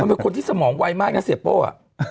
มันเป็นคนที่สมองไวมากน่ะซิโป้ว่า